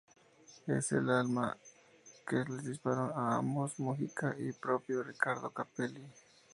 Es el arma que les disparó a ambos: Mugica y el propio Ricardo Capelli.